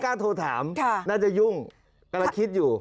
ก็ว่าที่อยู่